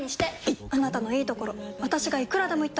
いっあなたのいいところ私がいくらでも言ってあげる！